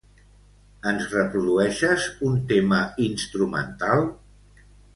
Ens reprodueixes un tema instrumental?